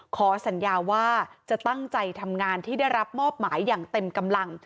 ขอสัญญาว่าจะตั้งใจทำงานที่ได้รับมอบหมายอย่างเต็มกำลัง